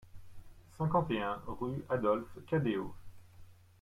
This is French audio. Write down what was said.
cinquante et un rue Adolphe Cadéot